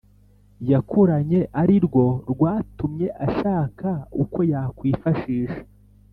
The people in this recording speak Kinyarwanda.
yakuranye arirwo rwatumye ashaka uko yakwifashisha